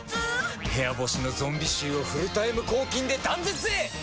部屋干しのゾンビ臭をフルタイム抗菌で断絶へ！